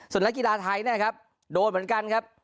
ส่วนนักกีฬาไทยนะครับโดนเหมือนกันครับ